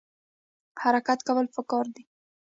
حرکت کول پکار دي